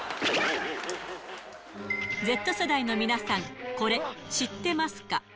Ｚ世代の皆さん、これ、知ってますか？